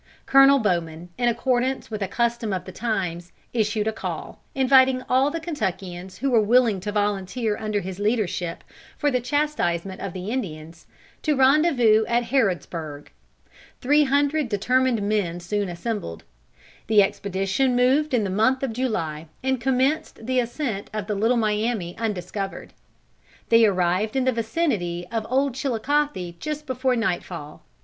Colonel Bowman, in accordance with a custom of the times, issued a call, inviting all the Kentuckians who were willing to volunteer under his leadership for the chastisement of the Indians, to rendezvous at Harrodsburg. Three hundred determined men soon assembled. The expedition moved in the month of July, and commenced the ascent of the Little Miami undiscovered. They arrived in the vicinity of Old Chilicothe just before nightfall.